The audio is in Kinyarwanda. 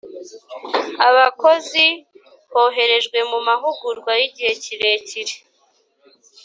Abakozi hoherejwe mu mahugurwa y igihe kirekire